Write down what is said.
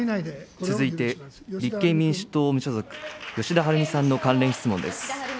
続いて立憲民主党・無所属、吉田はるみさんの関連質問です。